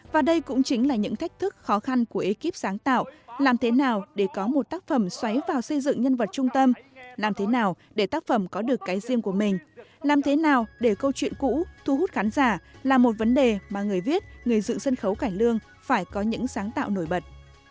và đây cũng chính là những thách thức khó khăn của ekip sáng tạo làm thế nào để có một tác phẩm xoáy vào xây dựng nhân vật trung tâm làm thế nào để tác phẩm có được cái riêng của mình làm thế nào để câu chuyện cũ thu hút khán giả là một vấn đề mà người viết người dựng sân khấu cải lương phải có những sáng tạo nổi bật